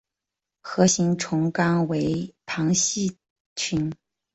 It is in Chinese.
核形虫纲为旁系群。